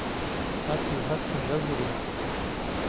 هەتیو هەستن دەس بگرن